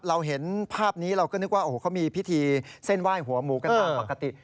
เราเห็นภาพนี้เราก็นึกว่าโอ้โหเขามีพิธีเส้นไหว้หัวหมูกันตามปกติ